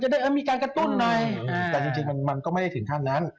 จีนไม่ได้ถึงขั้นนั้น